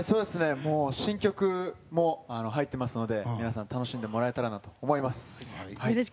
新曲も入ってますので皆さん、楽しんでもらえたらなと思います。